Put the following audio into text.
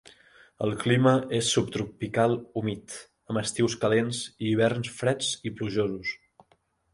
El clima és subtropical humit, amb estius calents i hiverns freds i plujosos.